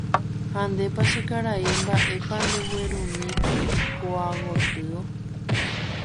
ha ndépa che karai mba'épa ndeguerumi ko'ágotyo.